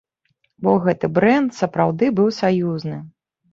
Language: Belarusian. Бо гэты брэнд сапраўды быў саюзны.